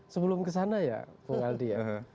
sebelum kesana ya bung aldi ya